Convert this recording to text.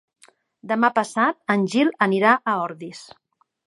Demà passat en Gil anirà a Ordis.